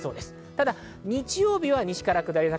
ただ日曜日は西から下り坂。